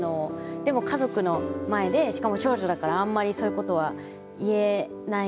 でも家族の前でしかも長女だからあんまりそういうことは言えないな